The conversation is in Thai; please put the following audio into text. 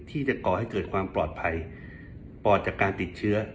ที่จะก่อให้เกิดความปลอดภัยปลอดจากการติดเชื้อ